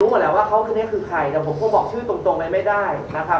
รู้กันแล้วว่าเขาคือใครแต่ผมก็บอกชื่อตรงไปไม่ได้นะครับ